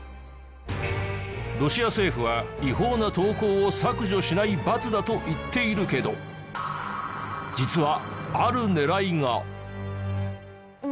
ロシア政府は違法な投稿を削除しない罰だと言っているけど実はある狙いが。